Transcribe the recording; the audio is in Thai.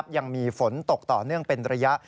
ยังมีฝนตกต่อเนื่องเป็นระยะ